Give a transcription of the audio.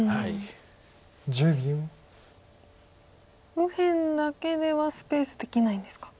右辺だけではスペースできないんですか。